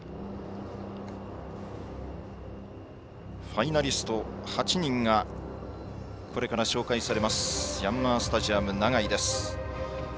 ファイナリスト８人がこれから紹介されますヤンマースタジアム長居です。